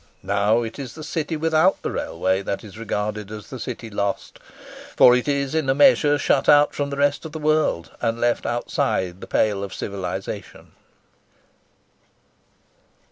Now it is the city without the railway that is regarded as the "city lost;" for it is in a measure shut out from the rest of the world, and left outside the pale of civilisation.